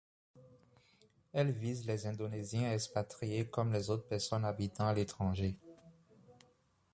Elle vise les indonésiens expatriés comme les autres personnes habitant à l'étranger.